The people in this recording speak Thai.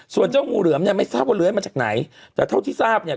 ส่วนเจ้างูเหลือมเนี่ยไม่ทราบว่าเลื้อยมาจากไหนแต่เท่าที่ทราบเนี่ย